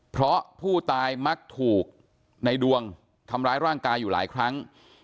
เพราะผู้ตายมักถูกในดวงทำร้ายร่างกายอยู่หลายครั้ง